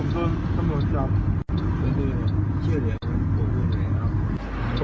ผมก็ต้องหมดจับ